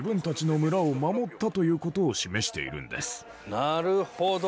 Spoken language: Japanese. なるほど！